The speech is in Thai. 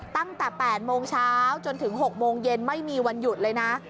ตั้งแต่๘โมงเช้าจนถึง๖โมงเย็นไม่มีวันหยุดเลยนะ